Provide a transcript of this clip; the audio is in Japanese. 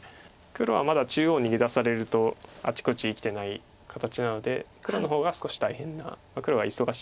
黒はまだ中央逃げ出されるとあちこち生きてない形なので黒の方が少し大変な黒が忙しい状況ではあります。